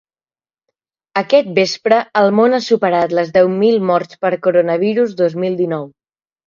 Aquest vespre el món ha superat les deu mil morts per coronavirus dos mil dinou.